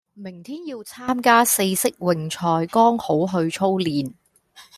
明天要參加四式泳賽剛好去操練